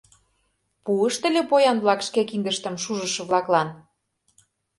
— Пуышт ыле поян-влак шке киндыштым шужышо-влаклан.